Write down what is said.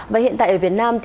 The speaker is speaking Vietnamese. và hiện tại ở việt nam